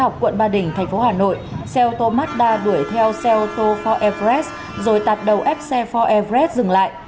học quận ba đình thành phố hà nội xe ô tô mazda đuổi theo xe ô tô ford everest rồi tạp đầu ép xe ford everest dừng lại